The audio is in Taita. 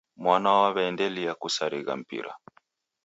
Mwana waw'aendelia kusarigha mpira.